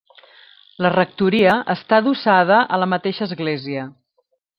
La rectoria està adossada a la mateixa església.